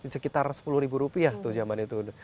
sekitar sepuluh ribu rupiah tuh zaman itu